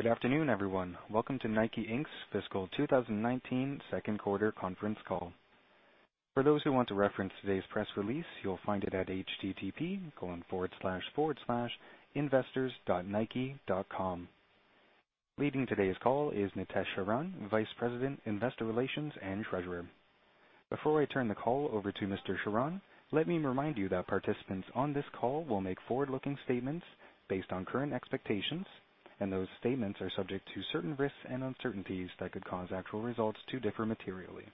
Good afternoon, everyone. Welcome to Nike, Inc.'s fiscal 2019 second quarter conference call. For those who want to reference today's press release, you'll find it at http://investors.nike.com. Leading today's call is Nitesh Sharan, Vice President, Investor Relations and Treasurer. Before I turn the call over to Mr. Sharan, let me remind you that participants on this call will make forward-looking statements based on current expectations, and those statements are subject to certain risks and uncertainties that could cause actual results to differ materially.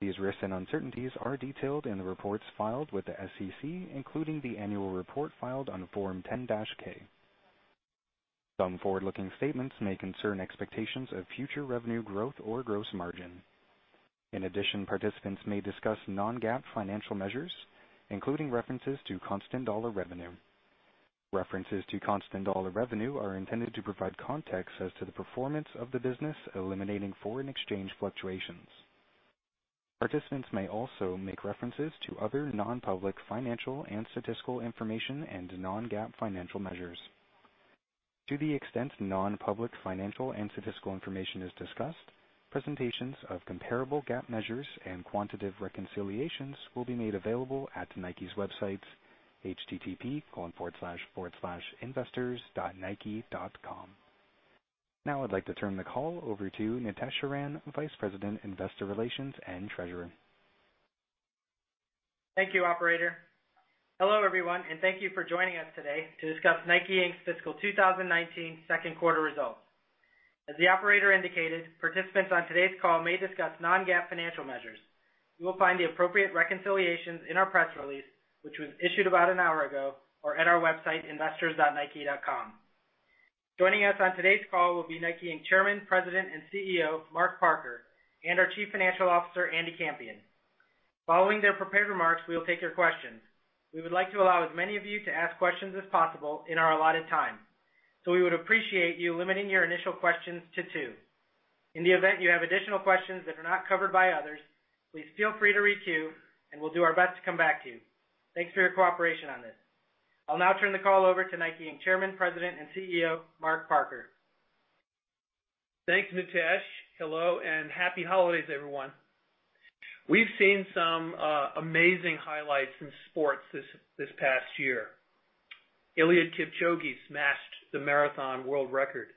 These risks and uncertainties are detailed in the reports filed with the SEC, including the annual report filed on Form 10-K. Some forward-looking statements may concern expectations of future revenue growth or gross margin. In addition, participants may discuss non-GAAP financial measures, including references to constant dollar revenue. References to constant dollar revenue are intended to provide context as to the performance of the business eliminating foreign exchange fluctuations. Participants may also make references to other non-public financial and statistical information and non-GAAP financial measures. To the extent non-public financial and statistical information is discussed, presentations of comparable GAAP measures and quantitative reconciliations will be made available at Nike's website, http://investors.nike.com. I'd like to turn the call over to Nitesh Sharan, Vice President, Investor Relations, and Treasurer. Thank you, operator. Hello, everyone, and thank you for joining us today to discuss Nike, Inc.'s fiscal 2019 second quarter results. As the operator indicated, participants on today's call may discuss non-GAAP financial measures. You will find the appropriate reconciliations in our press release, which was issued about an hour ago, or at our website, investors.nike.com. Joining us on today's call will be Nike, Inc. Chairman, President, and CEO, Mark Parker, and our Chief Financial Officer, Andy Campion. Following their prepared remarks, we will take your questions. We would like to allow as many of you to ask questions as possible in our allotted time. We would appreciate you limiting your initial questions to two. In the event you have additional questions that are not covered by others, please feel free to re-queue, and we'll do our best to come back to you. Thanks for your cooperation on this. I'll now turn the call over to Nike, Inc. Chairman, President, and CEO, Mark Parker. Thanks, Nitesh. Hello, happy holidays, everyone. We've seen some amazing highlights in sports this past year. Eliud Kipchoge smashed the marathon world record.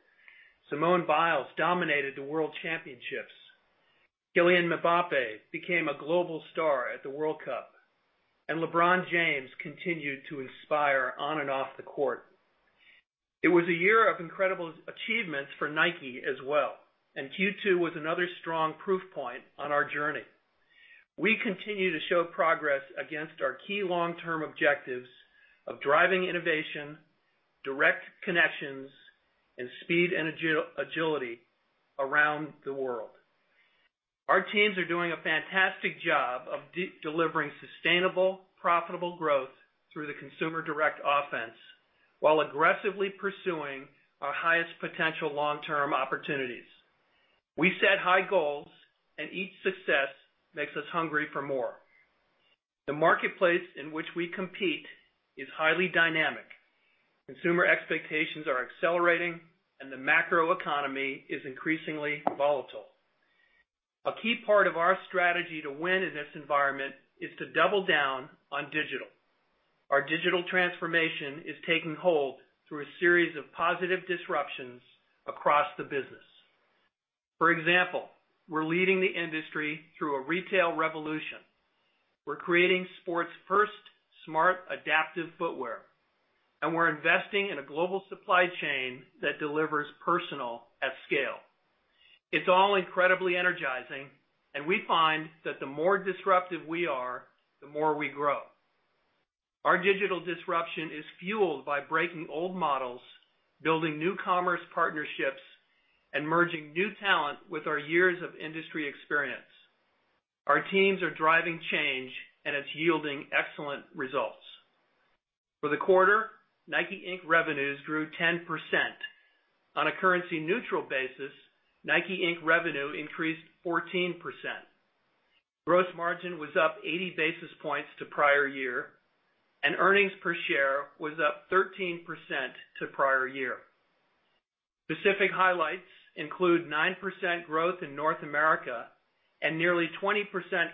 Simone Biles dominated the world championships. Kylian Mbappé became a global star at the World Cup. LeBron James continued to inspire on and off the court. It was a year of incredible achievements for Nike as well, and Q2 was another strong proof point on our journey. We continue to show progress against our key long-term objectives of driving innovation, direct connections, and speed and agility around the world. Our teams are doing a fantastic job of delivering sustainable, profitable growth through the Consumer Direct Offense while aggressively pursuing our highest potential long-term opportunities. We set high goals and each success makes us hungry for more. The marketplace in which we compete is highly dynamic. Consumer expectations are accelerating, the macro economy is increasingly volatile. A key part of our strategy to win in this environment is to double down on digital. Our digital transformation is taking hold through a series of positive disruptions across the business. For example, we're leading the industry through a retail revolution. We're creating sports' first smart adaptive footwear, and we're investing in a global supply chain that delivers personal at scale. It's all incredibly energizing, and we find that the more disruptive we are, the more we grow. Our digital disruption is fueled by breaking old models, building new commerce partnerships, and merging new talent with our years of industry experience. Our teams are driving change, and it's yielding excellent results. For the quarter, Nike, Inc. revenues grew 10%. On a currency-neutral basis, Nike, Inc. revenue increased 14%. Gross margin was up 80 basis points to prior year, earnings per share was up 13% to prior year. Specific highlights include 9% growth in North America, nearly 20%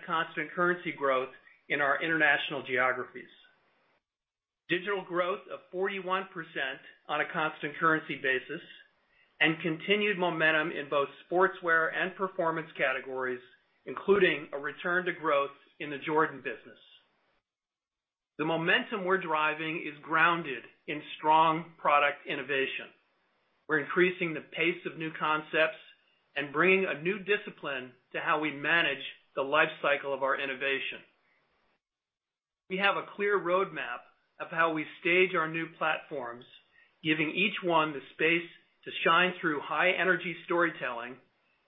constant currency growth in our international geographies. Digital growth of 41% on a constant currency basis and continued momentum in both sportswear and performance categories, including a return to growth in the Jordan business. The momentum we're driving is grounded in strong product innovation. We're increasing the pace of new concepts and bringing a new discipline to how we manage the life cycle of our innovation. We have a clear roadmap of how we stage our new platforms, giving each one the space to shine through high-energy storytelling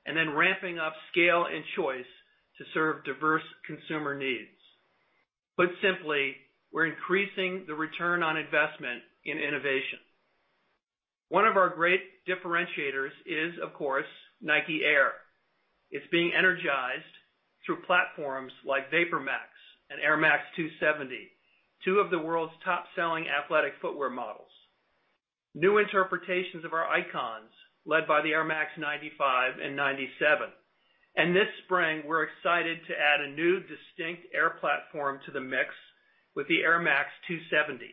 and then ramping up scale and choice to serve diverse consumer needs. Put simply, we're increasing the return on investment in innovation. One of our great differentiators is, of course, Nike Air. It's being energized through platforms like VaporMax and Air Max 270, two of the world's top-selling athletic footwear models. New interpretations of our icons, led by the Air Max 95 and 97. This spring, we're excited to add a new distinct Air platform to the mix with the Air Max 270.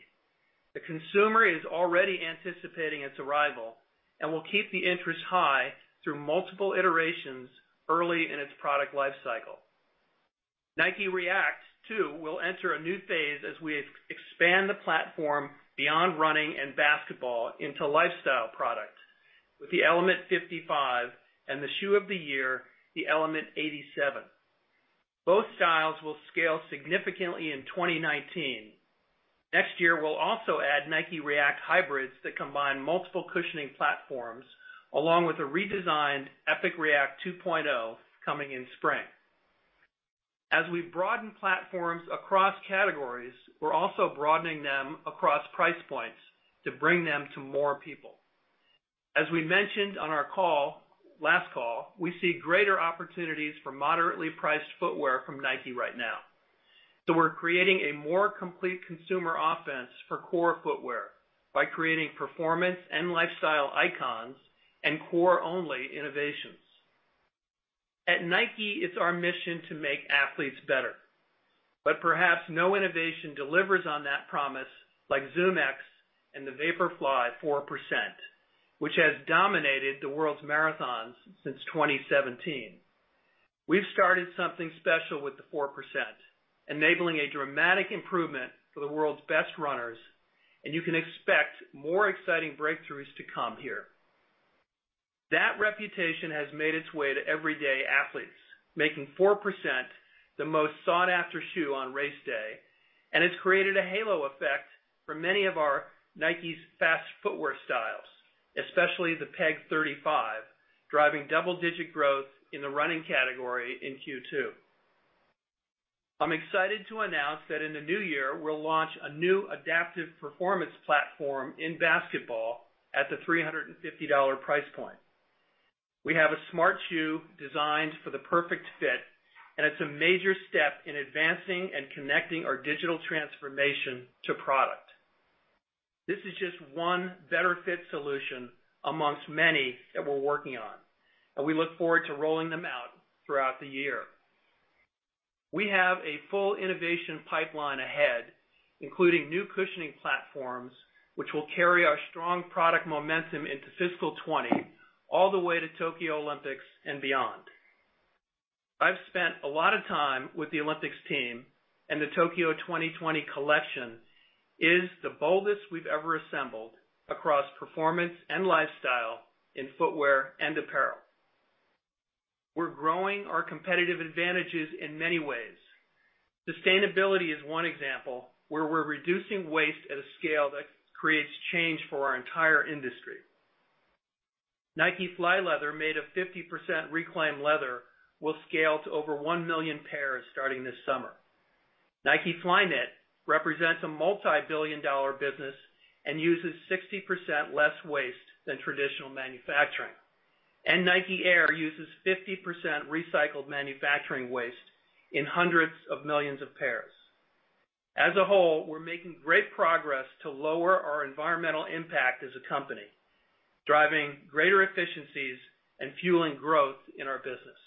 The consumer is already anticipating its arrival and will keep the interest high through multiple iterations early in its product life cycle. Nike React too will enter a new phase as we expand the platform beyond running and basketball into lifestyle product with the Element 55 and the shoe of the year, the Element 87. Both styles will scale significantly in 2019. Next year, we'll also add Nike React hybrids that combine multiple cushioning platforms, along with a redesigned Epic React 2.0 coming in spring. As we broaden platforms across categories, we're also broadening them across price points to bring them to more people. As we mentioned on our call, last call, we see greater opportunities for moderately priced footwear from Nike right now. We're creating a more complete Consumer Direct Offense for core footwear by creating performance and lifestyle icons and core-only innovations. At Nike, it's our mission to make athletes better. Perhaps no innovation delivers on that promise like ZoomX and the Vaporfly 4%, which has dominated the world's marathons since 2017. We've started something special with the 4%, enabling a dramatic improvement for the world's best runners. You can expect more exciting breakthroughs to come here. That reputation has made its way to everyday athletes, making 4% the most sought-after shoe on race day. It's created a halo effect for many of our Nike fast footwear styles, especially the Air Zoom Pegasus 35, driving double-digit growth in the running category in Q2. I'm excited to announce that in the new year, we'll launch a new adaptive performance platform in basketball at the $350 price point. We have a smart shoe designed for the perfect fit. It's a major step in advancing and connecting our digital transformation to product. This is just one better fit solution amongst many that we're working on. We look forward to rolling them out throughout the year. We have a full innovation pipeline ahead, including new cushioning platforms, which will carry our strong product momentum into fiscal 2020 all the way to the Tokyo 2020 Summer Olympics and beyond. I've spent a lot of time with the Olympics team. The Tokyo 2020 collection is the boldest we've ever assembled across performance and lifestyle in footwear and apparel. We're growing our competitive advantages in many ways. Sustainability is one example where we're reducing waste at a scale that creates change for our entire industry. Nike Flyleather, made of 50% reclaimed leather, will scale to over 1 million pairs starting this summer. Nike Flyknit represents a multi-billion-dollar business and uses 60% less waste than traditional manufacturing. Nike Air uses 50% recycled manufacturing waste in hundreds of millions of pairs. As a whole, we're making great progress to lower our environmental impact as a company, driving greater efficiencies and fueling growth in our business.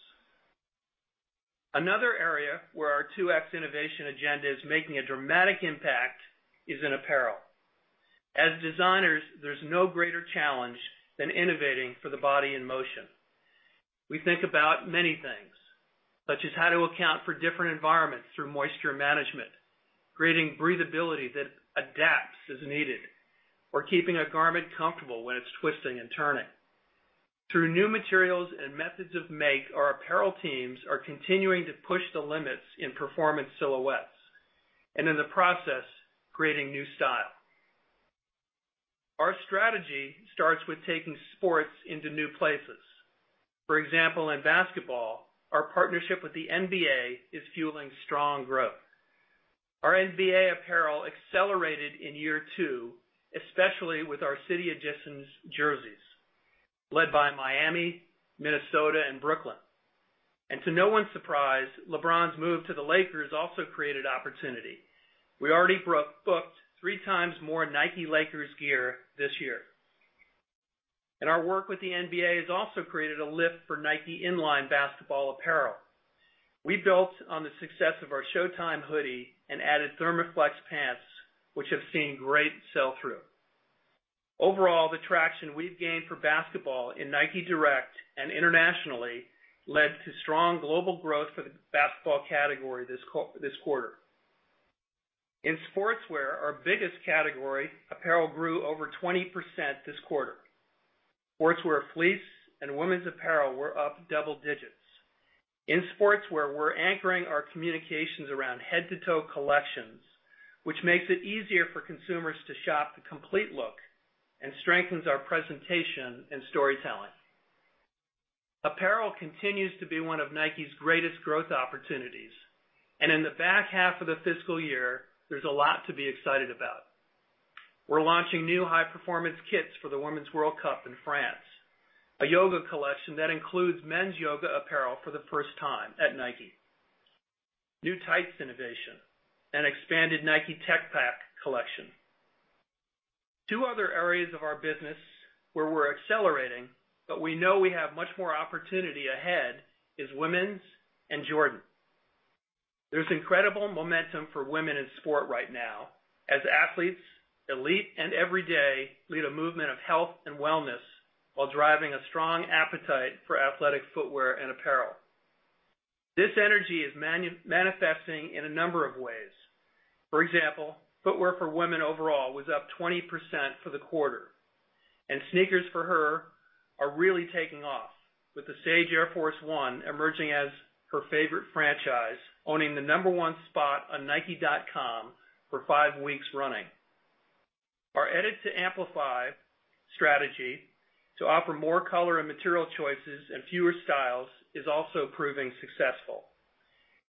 Another area where our 2X Innovation agenda is making a dramatic impact is in apparel. As designers, there's no greater challenge than innovating for the body in motion. We think about many things, such as how to account for different environments through moisture management, creating breathability that adapts as needed, or keeping a garment comfortable when it's twisting and turning. Through new materials and methods of make, our apparel teams are continuing to push the limits in performance silhouettes. In the process, creating new style. Our strategy starts with taking sports into new places. For example, in basketball, our partnership with the NBA is fueling strong growth. Our NBA apparel accelerated in year 2, especially with our City Edition jerseys led by Miami, Minnesota, and Brooklyn. To no one's surprise, LeBron's move to the Los Angeles Lakers also created opportunity. We already booked 3 times more Nike Lakers gear this year. Our work with the NBA has also created a lift for Nike in-line basketball apparel. We built on the success of our Showtime hoodie and added Therma-Flex pants, which have seen great sell-through. Overall, the traction we've gained for basketball in Nike Direct and internationally led to strong global growth for the basketball category this quarter. In sportswear, our biggest category, apparel grew over 20% this quarter. Sportswear fleece and women's apparel were up double digits. In sportswear, we're anchoring our communications around head-to-toe collections, which makes it easier for consumers to shop the complete look and strengthens our presentation and storytelling. Apparel continues to be one of Nike's greatest growth opportunities, in the back half of the fiscal year, there's a lot to be excited about. We're launching new high-performance kits for the Women's World Cup in France, a yoga collection that includes men's yoga apparel for the first time at Nike. New tights innovation, and expanded Nike Tech Pack collection. Two other areas of our business where we're accelerating, but we know we have much more opportunity ahead, is women's and Jordan. There's incredible momentum for women in sport right now as athletes, elite and everyday, lead a movement of health and wellness while driving a strong appetite for athletic footwear and apparel. This energy is manifesting in a number of ways. For example, footwear for women overall was up 20% for the quarter, and sneakers for her are really taking off, with the Sage Air Force 1 emerging as her favorite franchise, owning the number one spot on nike.com for five weeks running. Our edit to amplify strategy to offer more color and material choices and fewer styles is also proving successful.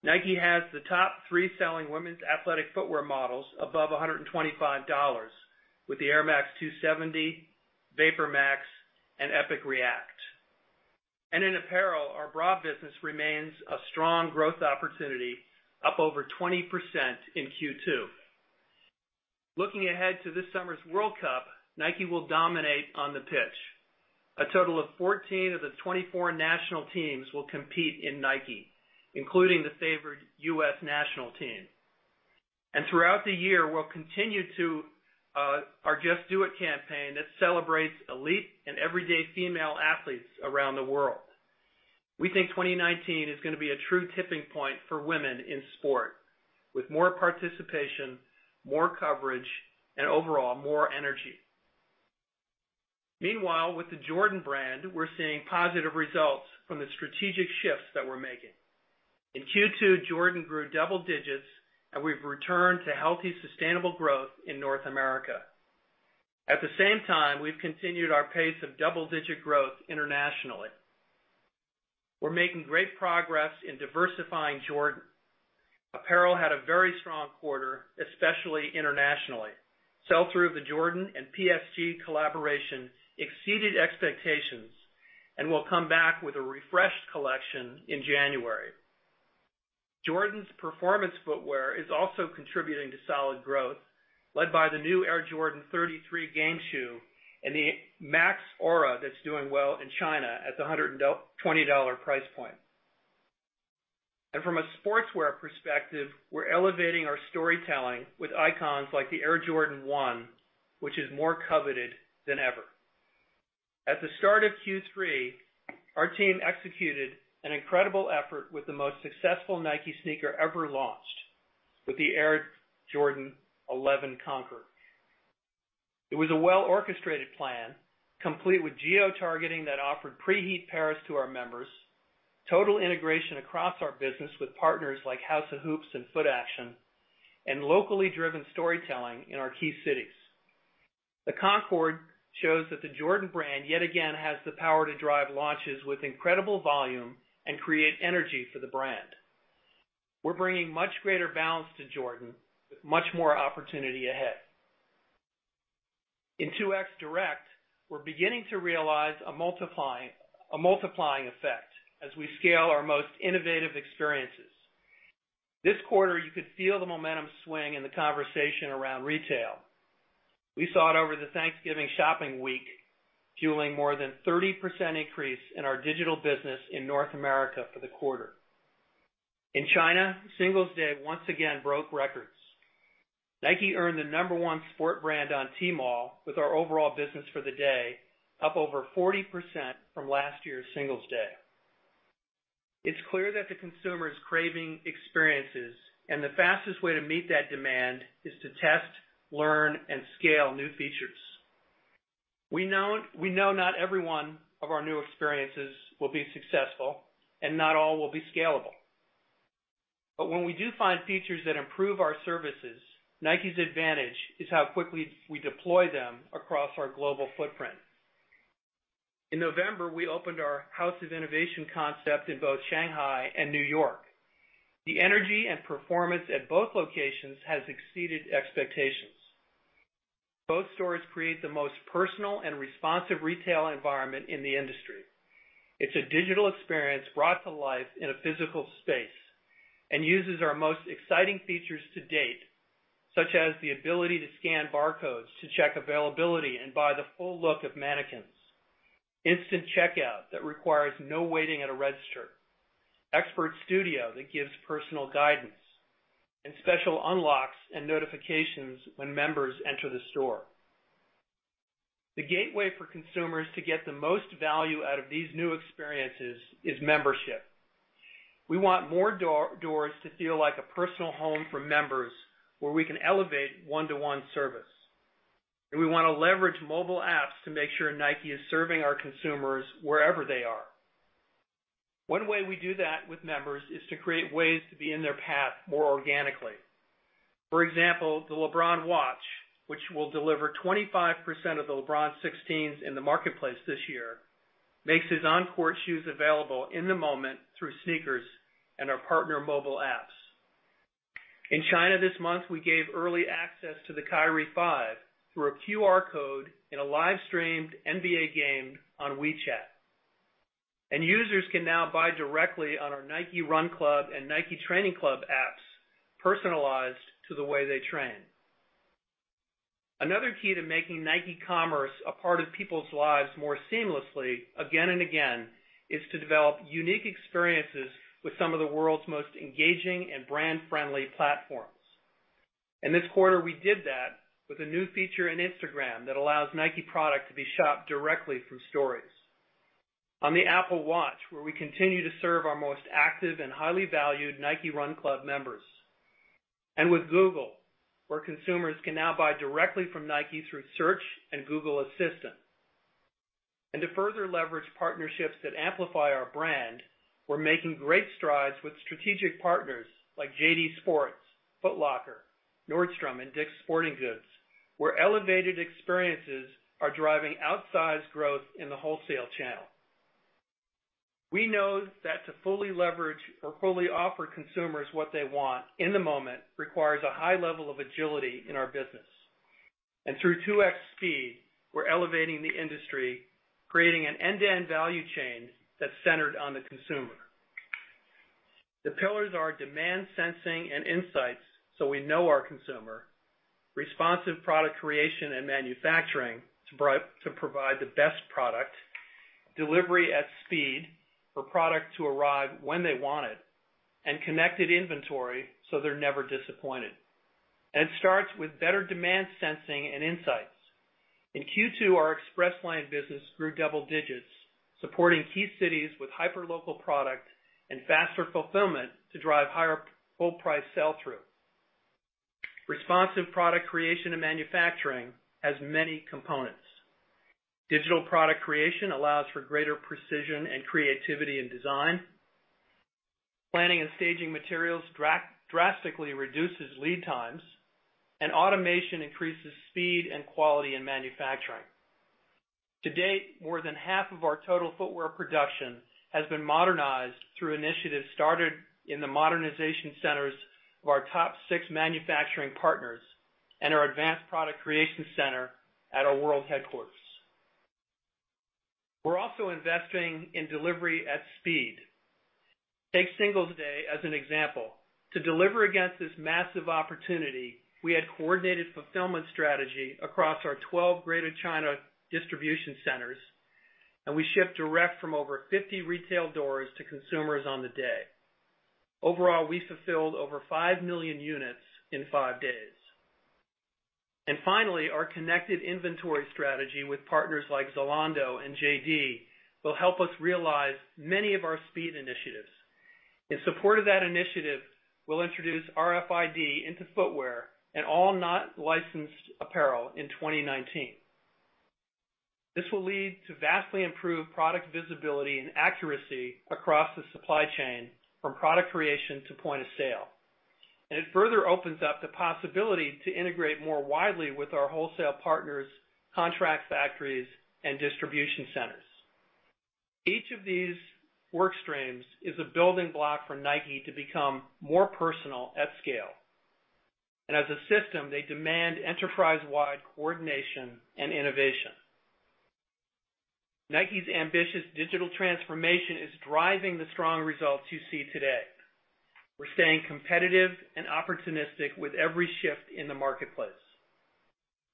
Nike has the top three selling women's athletic footwear models above $125, with the Air Max 270, VaporMax, and Epic React. In apparel, our bra business remains a strong growth opportunity, up over 20% in Q2. Looking ahead to this summer's World Cup, Nike will dominate on the pitch. A total of 14 of the 24 national teams will compete in Nike, including the favored U.S. national team. Throughout the year, we'll continue our Just Do It campaign that celebrates elite and everyday female athletes around the world. We think 2019 is going to be a true tipping point for women in sport, with more participation, more coverage, and overall, more energy. Meanwhile, with the Jordan brand, we're seeing positive results from the strategic shifts that we're making. In Q2, Jordan grew double digits, and we've returned to healthy, sustainable growth in North America. At the same time, we've continued our pace of double-digit growth internationally. We're making great progress in diversifying Jordan. Apparel had a very strong quarter, especially internationally. Sell-through of the Jordan and PSG collaboration exceeded expectations and will come back with a refreshed collection in January. Jordan's performance footwear is also contributing to solid growth, led by the new Air Jordan 33 game shoe and the Max Aura that's doing well in China at the $120 price point. From a sportswear perspective, we're elevating our storytelling with icons like the Air Jordan 1, which is more coveted than ever. At the start of Q3, our team executed an incredible effort with the most successful Nike sneaker ever launched, with the Air Jordan 11 Concord. It was a well-orchestrated plan, complete with geotargeting that offered pre-heat pairs to our members, total integration across our business with partners like House of Hoops and Footaction, and locally driven storytelling in our key cities. The Jordan brand, yet again, has the power to drive launches with incredible volume and create energy for the brand. We're bringing much greater balance to Jordan with much more opportunity ahead. In 2X Direct, we're beginning to realize a multiplying effect as we scale our most innovative experiences. This quarter, you could feel the momentum swing in the conversation around retail. We saw it over the Thanksgiving shopping week, fueling more than 30% increase in our digital business in North America for the quarter. In China, Singles Day once again broke records. Nike earned the number one sport brand on Tmall with our overall business for the day, up over 40% from last year's Singles Day. It's clear that the consumer is craving experiences, and the fastest way to meet that demand is to test, learn, and scale new features. We know not every one of our new experiences will be successful and not all will be scalable. When we do find features that improve our services, Nike's advantage is how quickly we deploy them across our global footprint. In November, we opened our House of Innovation concept in both Shanghai and New York. The energy and performance at both locations has exceeded expectations. Both stores create the most personal and responsive retail environment in the industry. It's a digital experience brought to life in a physical space and uses our most exciting features to date, such as the ability to scan barcodes to check availability and buy the full look of mannequins, instant checkout that requires no waiting at a register, Expert Studio that gives personal guidance, and special unlocks and notifications when members enter the store. The gateway for consumers to get the most value out of these new experiences is membership. We want more doors to feel like a personal home for members where we can elevate one-to-one service. We want to leverage mobile apps to make sure Nike is serving our consumers wherever they are. One way we do that with members is to create ways to be in their path more organically. For example, the LeBron Watch, which will deliver 25% of the LeBron 16s in the marketplace this year makes his on-court shoes available in the moment through SNKRS and our partner mobile apps. In China this month, we gave early access to the Kyrie 5 through a QR code in a live-streamed NBA game on WeChat. Users can now buy directly on our Nike Run Club and Nike Training Club apps, personalized to the way they train. Another key to making Nike commerce a part of people's lives more seamlessly again and again, is to develop unique experiences with some of the world's most engaging and brand-friendly platforms. This quarter, we did that with a new feature in Instagram that allows Nike product to be shopped directly from Stories. On the Apple Watch, where we continue to serve our most active and highly valued Nike Run Club members. With Google, where consumers can now buy directly from Nike through search and Google Assistant. To further leverage partnerships that amplify our brand, we're making great strides with strategic partners like JD Sports, Foot Locker, Nordstrom, and DICK'S Sporting Goods, where elevated experiences are driving outsized growth in the wholesale channel. We know that to fully leverage or fully offer consumers what they want in the moment requires a high level of agility in our business. Through 2X Speed, we're elevating the industry, creating an end-to-end value chain that's centered on the consumer. The pillars are demand sensing and insights, so we know our consumer. Responsive product creation and manufacturing to provide the best product. Delivery at speed for product to arrive when they want it. Connected inventory so they're never disappointed. It starts with better demand sensing and insights. In Q2, our Express Lane business grew double digits, supporting key cities with hyperlocal product and faster fulfillment to drive higher full price sell-through. Responsive product creation and manufacturing has many components. Digital product creation allows for greater precision and creativity in design. Planning and staging materials drastically reduces lead times. Automation increases speed and quality in manufacturing. To date, more than half of our total footwear production has been modernized through initiatives started in the modernization centers of our top 6 manufacturing partners and our advanced product creation center at our world headquarters. We're also investing in delivery at speed. Take Singles Day as an example. To deliver against this massive opportunity, we had coordinated fulfillment strategy across our 12 Greater China distribution centers, and we shipped direct from over 50 retail doors to consumers on the day. Overall, we fulfilled over 5 million units in 5 days. Finally, our connected inventory strategy with partners like Zalando and JD will help us realize many of our speed initiatives. In support of that initiative, we'll introduce RFID into footwear and all non-licensed apparel in 2019. This will lead to vastly improved product visibility and accuracy across the supply chain, from product creation to point of sale. It further opens up the possibility to integrate more widely with our wholesale partners, contract factories, and distribution centers. Each of these work streams is a building block for Nike to become more personal at scale. As a system, they demand enterprise-wide coordination and innovation. Nike's ambitious digital transformation is driving the strong results you see today. We're staying competitive and opportunistic with every shift in the marketplace.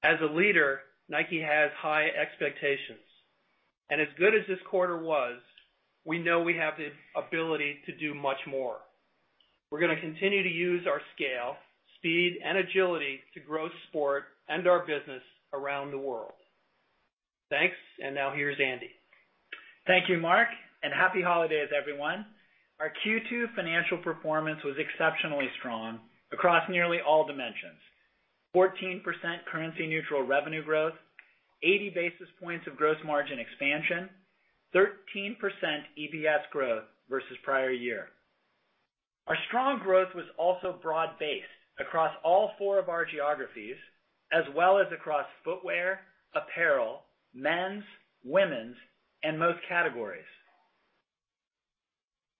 As a leader, Nike has high expectations. As good as this quarter was, we know we have the ability to do much more. We're going to continue to use our scale, speed, and agility to grow sport and our business around the world. Thanks, now here's Andy. Thank you, Mark, and happy holidays, everyone. Our Q2 financial performance was exceptionally strong across nearly all dimensions. 14% currency-neutral revenue growth, 80 basis points of gross margin expansion, 13% EPS growth versus prior year. Our strong growth was also broad-based across all four of our geographies, as well as across footwear, apparel, men's, women's, and most categories.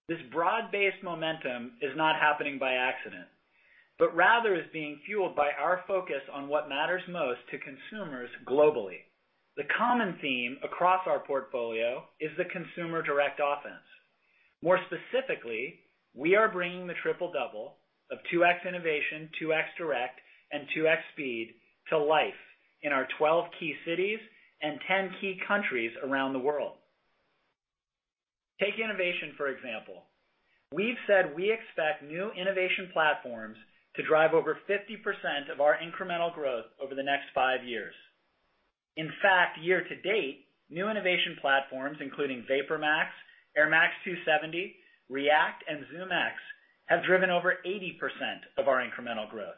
This broad-based momentum is not happening by accident, but rather is being fueled by our focus on what matters most to consumers globally. The common theme across our portfolio is the Consumer Direct Offense. More specifically, we are bringing the Triple Double of 2X Innovation, 2X Direct, and 2X Speed to life in our 12 key cities and 10 key countries around the world. Take innovation, for example. We've said we expect new innovation platforms to drive over 50% of our incremental growth over the next five years. In fact, year to date, new innovation platforms, including VaporMax, Air Max 270, React, and ZoomX, have driven over 80% of our incremental growth.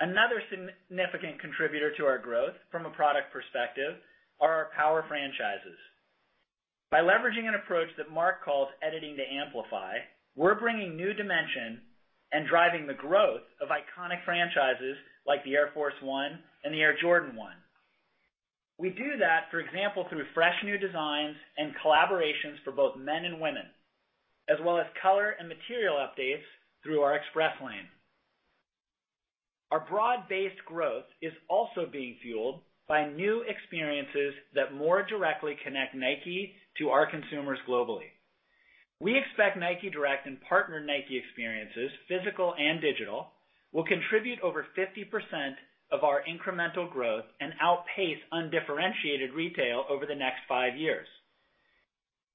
Another significant contributor to our growth from a product perspective are our power franchises. By leveraging an approach that Mark calls editing to amplify, we're bringing new dimension and driving the growth of iconic franchises like the Air Force 1 and the Air Jordan 1. We do that, for example, through fresh new designs and collaborations for both men and women, as well as color and material updates through our Express Lane. Our broad-based growth is also being fueled by new experiences that more directly connect Nike to our consumers globally. We expect Nike Direct and partner Nike experiences, physical and digital, will contribute over 50% of our incremental growth and outpace undifferentiated retail over the next five years.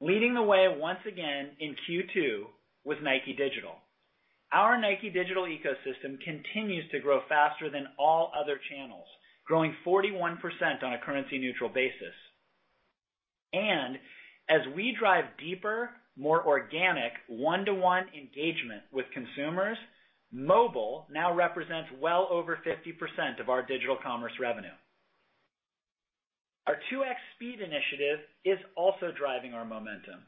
Leading the way once again in Q2 with Nike Digital. Our Nike Digital ecosystem continues to grow faster than all other channels, growing 41% on a currency-neutral basis. As we drive deeper, more organic, one-to-one engagement with consumers, mobile now represents well over 50% of our digital commerce revenue. Our 2X Speed initiative is also driving our momentum.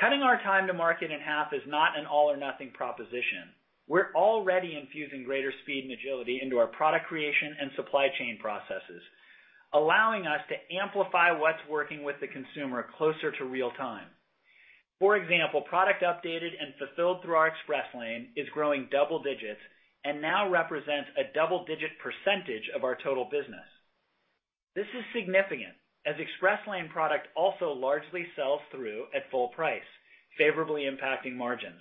Cutting our time to market in half is not an all-or-nothing proposition. We're already infusing greater speed and agility into our product creation and supply chain processes, allowing us to amplify what's working with the consumer closer to real time. For example, product updated and fulfilled through our Express Lane is growing double digits and now represents a double-digit percentage of our total business. This is significant, as Express Lane product also largely sells through at full price, favorably impacting margins.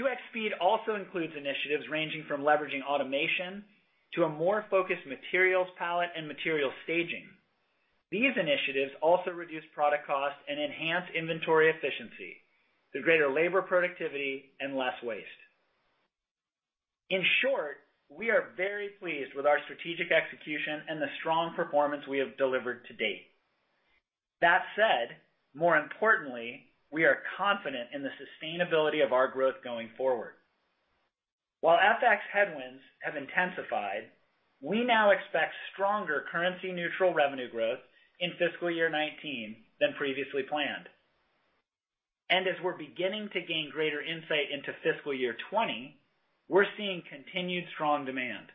2X Speed also includes initiatives ranging from leveraging automation to a more focused materials palette and material staging. These initiatives also reduce product cost and enhance inventory efficiency through greater labor productivity and less waste. In short, we are very pleased with our strategic execution and the strong performance we have delivered to date. That said, more importantly, we are confident in the sustainability of our growth going forward. While FX headwinds have intensified, we now expect stronger currency-neutral revenue growth in fiscal year 2019 than previously planned. As we're beginning to gain greater insight into fiscal year 2020, we're seeing continued strong demand.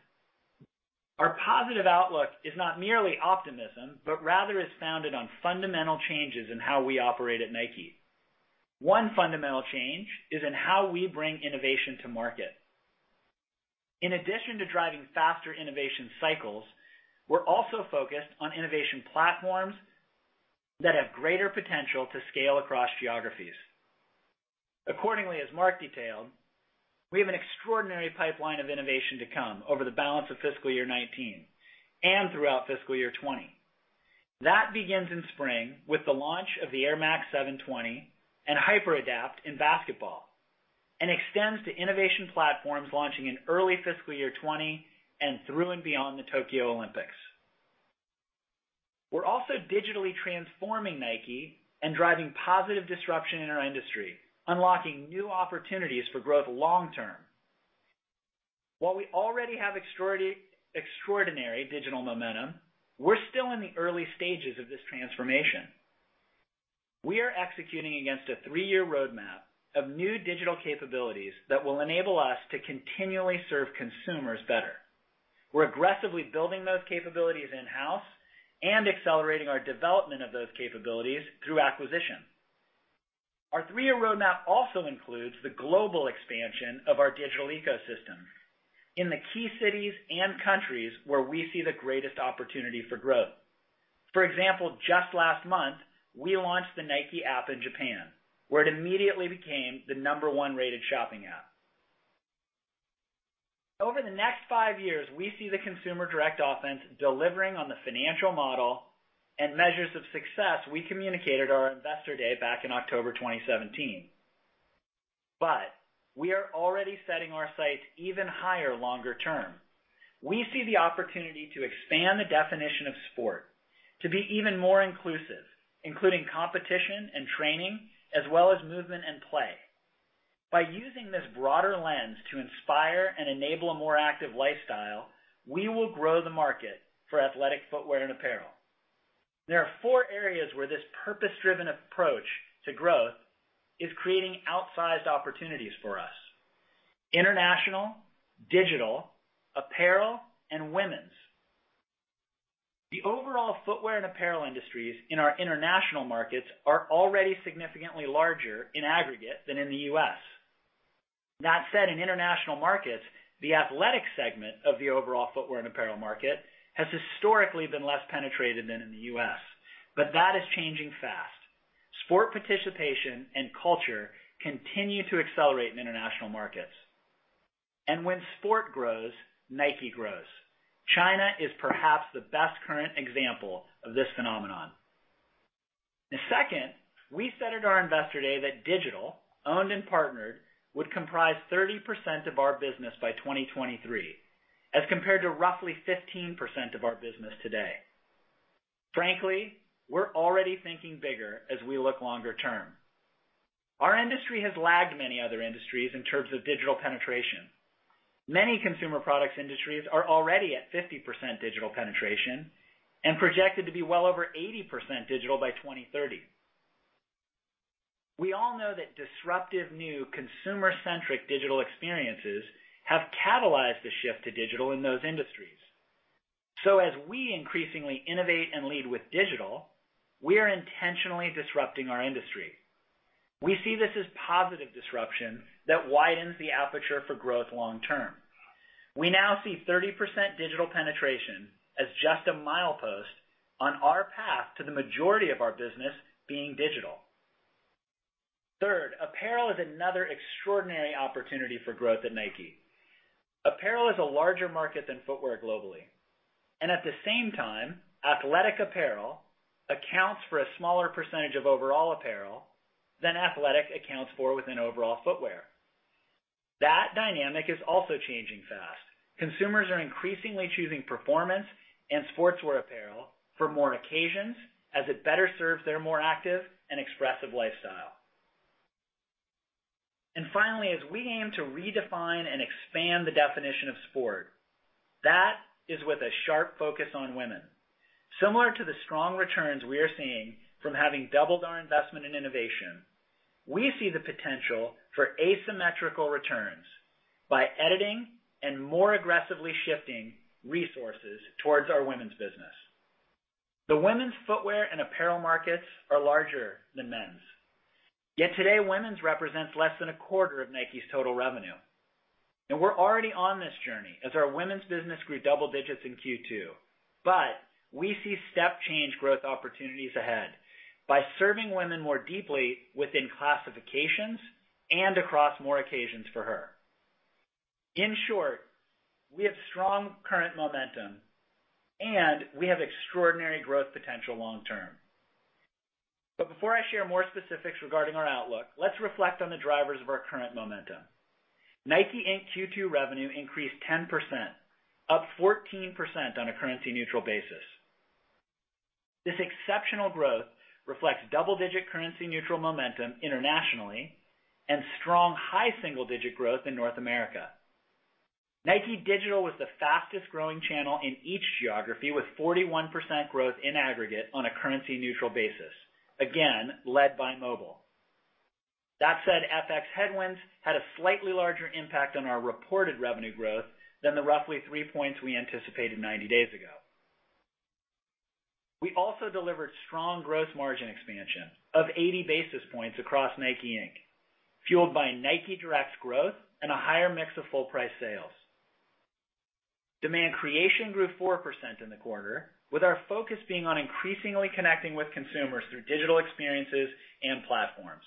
Our positive outlook is not merely optimism, but rather is founded on fundamental changes in how we operate at Nike. One fundamental change is in how we bring innovation to market. In addition to driving faster innovation cycles, we're also focused on innovation platforms that have greater potential to scale across geographies. Accordingly, as Mark detailed, we have an extraordinary pipeline of innovation to come over the balance of fiscal year 2019 and throughout fiscal year 2020. That begins in spring with the launch of the Air Max 720 and HyperAdapt in basketball and extends to innovation platforms launching in early fiscal year 2020 and through and beyond the Tokyo Olympics. We're also digitally transforming Nike and driving positive disruption in our industry, unlocking new opportunities for growth long term. While we already have extraordinary digital momentum, we're still in the early stages of this transformation. We are executing against a three-year roadmap of new digital capabilities that will enable us to continually serve consumers better. We're aggressively building those capabilities in-house and accelerating our development of those capabilities through acquisition. Our three-year roadmap also includes the global expansion of our digital ecosystems in the key cities and countries where we see the greatest opportunity for growth. For example, just last month, we launched the Nike app in Japan, where it immediately became the number 1 rated shopping app. Over the next 5 years, we see the Consumer Direct Offense delivering on the financial model and measures of success we communicated at our Investor Day back in October 2017. We are already setting our sights even higher longer term. We see the opportunity to expand the definition of sport, to be even more inclusive, including competition and training, as well as movement and play. By using this broader lens to inspire and enable a more active lifestyle, we will grow the market for athletic footwear and apparel. There are 4 areas where this purpose-driven approach to growth is creating outsized opportunities for us. International, digital, apparel, and women's. The overall footwear and apparel industries in our international markets are already significantly larger in aggregate than in the U.S. That said, in international markets, the athletic segment of the overall footwear and apparel market has historically been less penetrated than in the U.S., but that is changing fast. Sport participation and culture continue to accelerate in international markets. When sport grows, Nike grows. China is perhaps the best current example of this phenomenon. Second, we said at our Investor Day that digital, owned and partnered, would comprise 30% of our business by 2023, as compared to roughly 15% of our business today. Frankly, we're already thinking bigger as we look longer term. Our industry has lagged many other industries in terms of digital penetration. Many consumer products industries are already at 50% digital penetration and projected to be well over 80% digital by 2030. We all know that disruptive new consumer-centric digital experiences have catalyzed the shift to digital in those industries. As we increasingly innovate and lead with digital, we are intentionally disrupting our industry. We see this as positive disruption that widens the aperture for growth long term. We now see 30% digital penetration as just a milepost on our path to the majority of our business being digital. Third, apparel is another extraordinary opportunity for growth at Nike. Apparel is a larger market than footwear globally. At the same time, athletic apparel accounts for a smaller percentage of overall apparel than athletic accounts for within overall footwear. That dynamic is also changing fast. Consumers are increasingly choosing performance and sportswear apparel for more occasions as it better serves their more active and expressive lifestyle. Finally, as we aim to redefine and expand the definition of sport, that is with a sharp focus on women. Similar to the strong returns we are seeing from having doubled our investment in innovation, we see the potential for asymmetrical returns by editing and more aggressively shifting resources towards our women's business. The women's footwear and apparel markets are larger than men's. Today, women's represents less than a quarter of Nike's total revenue. We're already on this journey as our women's business grew double digits in Q2. We see step change growth opportunities ahead by serving women more deeply within classifications and across more occasions for her. In short, we have strong current momentum, and we have extraordinary growth potential long term. Before I share more specifics regarding our outlook, let's reflect on the drivers of our current momentum. Nike, Inc. Q2 revenue increased 10%, up 14% on a currency neutral basis. This exceptional growth reflects double-digit currency neutral momentum internationally and strong high single-digit growth in North America. Nike Digital was the fastest growing channel in each geography, with 41% growth in aggregate on a currency neutral basis, again, led by mobile. That said, FX headwinds had a slightly larger impact on our reported revenue growth than the roughly three points we anticipated 90 days ago. We also delivered strong gross margin expansion of 80 basis points across Nike, Inc., fueled by Nike Direct's growth and a higher mix of full price sales. Demand creation grew 4% in the quarter, with our focus being on increasingly connecting with consumers through digital experiences and platforms.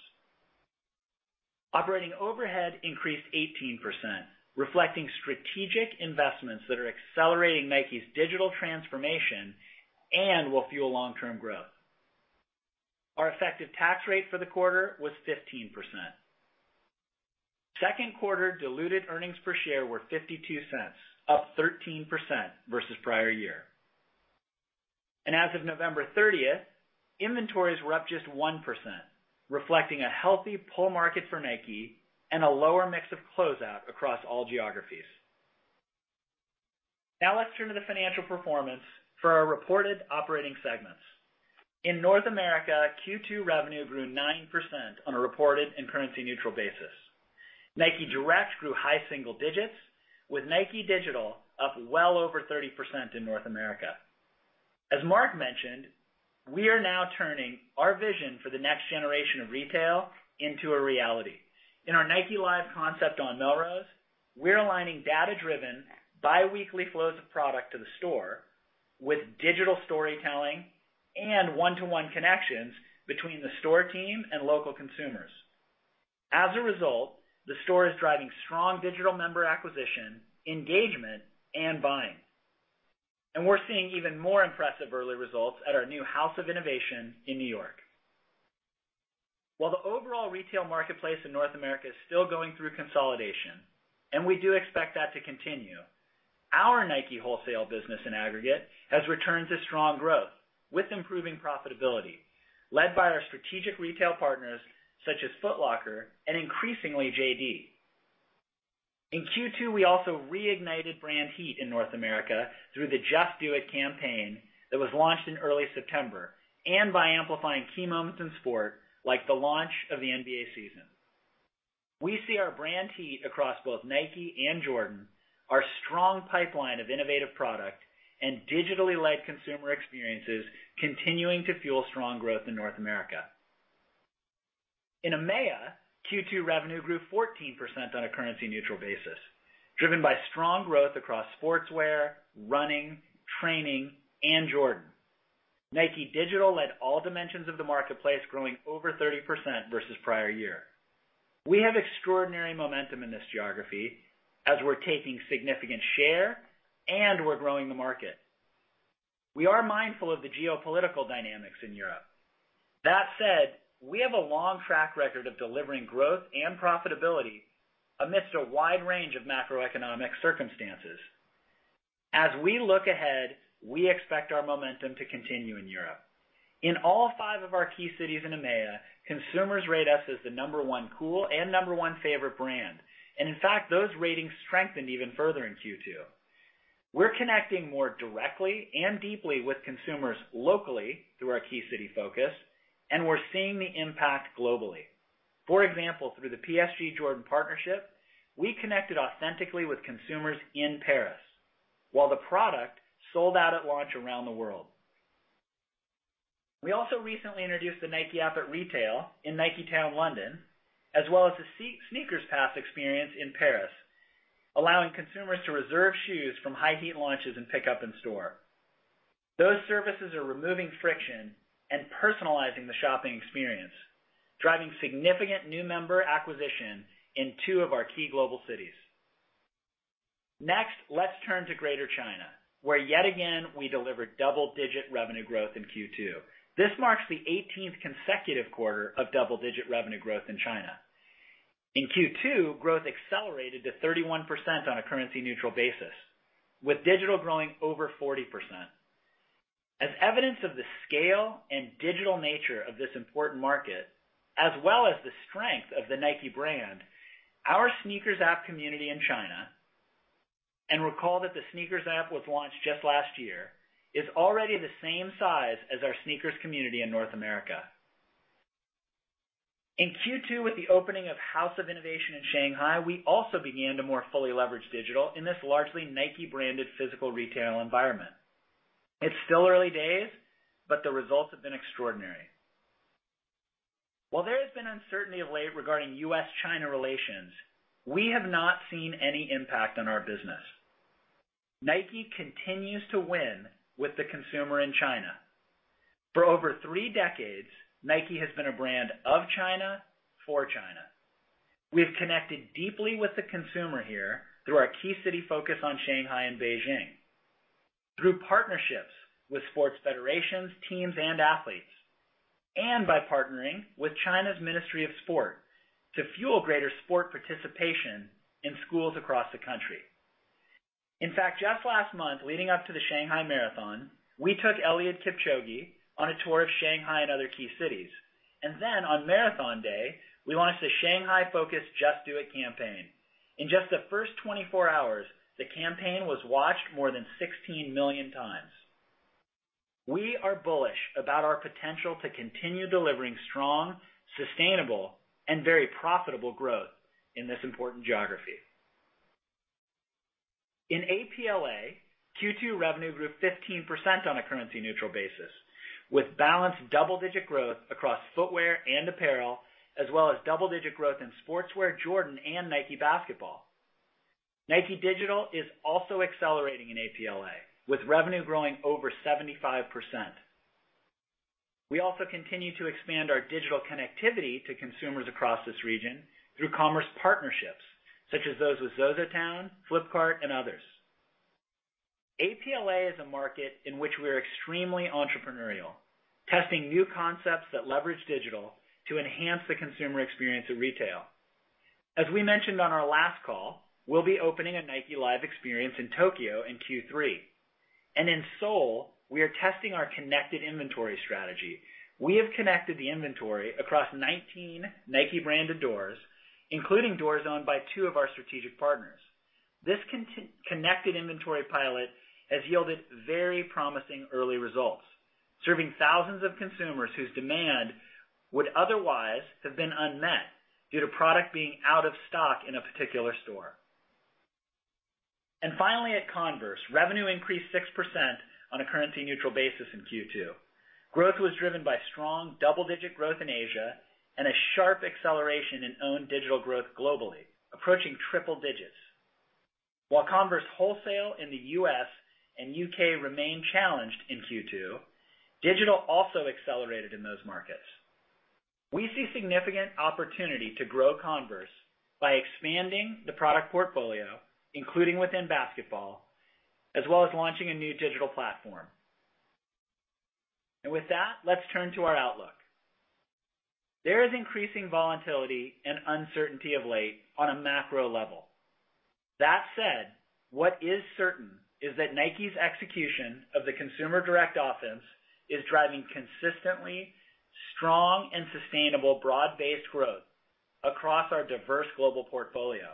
Operating overhead increased 18%, reflecting strategic investments that are accelerating Nike's digital transformation and will fuel long-term growth. Our effective tax rate for the quarter was 15%. Second quarter diluted earnings per share were $0.52, up 13% versus prior year. As of November 30th, inventories were up just 1%, reflecting a healthy pull market for Nike and a lower mix of closeout across all geographies. Let's turn to the financial performance for our reported operating segments. In North America, Q2 revenue grew 9% on a reported and currency neutral basis. Nike Direct grew high single digits, with Nike Digital up well over 30% in North America. As Mark mentioned, we are now turning our vision for the next generation of retail into a reality. In our Nike Live concept on Melrose, we're aligning data-driven biweekly flows of product to the store with digital storytelling and one-to-one connections between the store team and local consumers. As a result, the store is driving strong digital member acquisition, engagement, and buying. We're seeing even more impressive early results at our new House of Innovation in New York. While the overall retail marketplace in North America is still going through consolidation, and we do expect that to continue, our Nike Wholesale business in aggregate has returned to strong growth with improving profitability, led by our strategic retail partners such as Foot Locker and increasingly JD. In Q2, we also reignited brand heat in North America through the Just Do It campaign that was launched in early September, and by amplifying key moments in sport, like the launch of the NBA season. We see our brand heat across both Nike and Jordan, our strong pipeline of innovative product, and digitally led consumer experiences continuing to fuel strong growth in North America. In EMEA, Q2 revenue grew 14% on a currency neutral basis, driven by strong growth across sportswear, running, training, and Jordan. Nike Digital led all dimensions of the marketplace, growing over 30% versus prior year. We have extraordinary momentum in this geography as we're taking significant share and we're growing the market. We are mindful of the geopolitical dynamics in Europe. Said, we have a long track record of delivering growth and profitability amidst a wide range of macroeconomic circumstances. As we look ahead, we expect our momentum to continue in Europe. In all five of our key cities in EMEA, consumers rate us as the number 1 cool and number 1 favorite brand. In fact, those ratings strengthened even further in Q2. We're connecting more directly and deeply with consumers locally through our key city focus, and we're seeing the impact globally. For example, through the PSG Jordan partnership, we connected authentically with consumers in Paris, while the product sold out at launch around the world. We also recently introduced the Nike app at retail in Niketown, London, as well as the SNKRS Pass experience in Paris, allowing consumers to reserve shoes from high heat launches and pick up in store. Those services are removing friction and personalizing the shopping experience, driving significant new member acquisition in two of our key global cities. Next, let's turn to Greater China, where, yet again, we delivered double-digit revenue growth in Q2. This marks the 18th consecutive quarter of double-digit revenue growth in China. In Q2, growth accelerated to 31% on a currency neutral basis, with digital growing over 40%. As evidence of the scale and digital nature of this important market, as well as the strength of the Nike brand, our SNKRS app community in China, and recall that the SNKRS app was launched just last year, is already the same size as our SNKRS community in North America. In Q2, with the opening of House of Innovation in Shanghai, we also began to more fully leverage digital in this largely Nike-branded physical retail environment. It's still early days, but the results have been extraordinary. While there has been uncertainty of late regarding U.S.-China relations, we have not seen any impact on our business. Nike continues to win with the consumer in China. For over three decades, Nike has been a brand of China, for China. We've connected deeply with the consumer here through our key city focus on Shanghai and Beijing, through partnerships with sports federations, teams, and athletes, and by partnering with China's Ministry of Sport to fuel greater sport participation in schools across the country. In fact, just last month, leading up to the Shanghai International Marathon, we took Eliud Kipchoge on a tour of Shanghai and other key cities. On marathon day, we launched the Shanghai-focused Just Do It campaign. In just the first 24 hours, the campaign was watched more than 16 million times. We are bullish about our potential to continue delivering strong, sustainable, and very profitable growth in this important geography. In APLA, Q2 revenue grew 15% on a currency neutral basis, with balanced double-digit growth across footwear and apparel, as well as double-digit growth in sportswear, Jordan and Nike Basketball. Nike Digital is also accelerating in APLA, with revenue growing over 75%. We also continue to expand our digital connectivity to consumers across this region through commerce partnerships such as those with ZOZOTOWN, Flipkart and others. APLA is a market in which we are extremely entrepreneurial, testing new concepts that leverage digital to enhance the consumer experience of retail. As we mentioned on our last call, we will be opening a Nike Live experience in Tokyo in Q3. In Seoul, we are testing our connected inventory strategy. We have connected the inventory across 19 Nike-branded doors, including doors owned by two of our strategic partners. This connected inventory pilot has yielded very promising early results, serving thousands of consumers whose demand would otherwise have been unmet due to product being out of stock in a particular store. Finally, at Converse, revenue increased 6% on a currency neutral basis in Q2. Growth was driven by strong double-digit growth in Asia and a sharp acceleration in own digital growth globally, approaching triple digits. While Converse wholesale in the U.S. and U.K. remained challenged in Q2, digital also accelerated in those markets. We see significant opportunity to grow Converse by expanding the product portfolio, including within basketball, as well as launching a new digital platform. With that, let's turn to our outlook. There is increasing volatility and uncertainty of late on a macro level. That said, what is certain is that Nike's execution of the Consumer Direct Offense is driving consistently strong and sustainable broad-based growth across our diverse global portfolio.